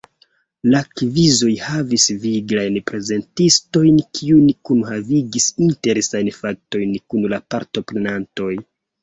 La kvizoj havis viglajn prezentistojn kiuj kunhavigis interesajn faktojn kun la partoprenantoj.